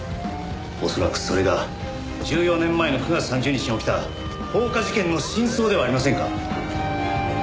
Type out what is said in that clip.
恐らくそれが１４年前の９月３０日に起きた放火事件の真相ではありませんか？